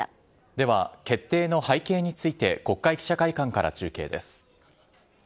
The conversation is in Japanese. では、決定の背景について、国会記者会館から中継です。